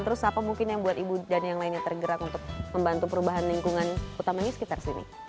terus apa mungkin yang buat ibu dan yang lainnya tergerak untuk membantu perubahan lingkungan utamanya sekitar sini